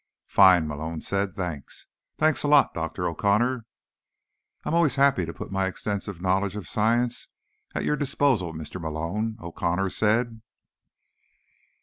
"Fine," Malone said. "Thanks. Thanks a lot, Dr. O'Connor." "I am always happy to put my extensive knowledge of science at your disposal, Mr. Malone," O'Connor said.